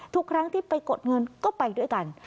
ทุกครั้งที่ไปกดเงินก็ไปด้วยกัน